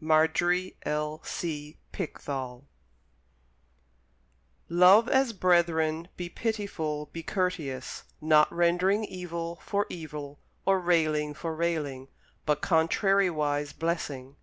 Marjorie L. C. Pickthall Love as brethren, be pitiful, be courteous: not rendering evil for evil or railing for railing: but contrariwise blessing.